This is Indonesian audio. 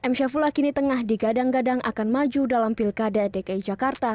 m syafullah kini tengah digadang gadang akan maju dalam pilkada dki jakarta